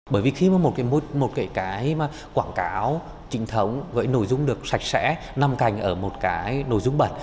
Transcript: bởi vì khi mà một cái quảng cáo trinh thống với nội dung được sạch sẽ nằm cành ở một cái nội dung bẩn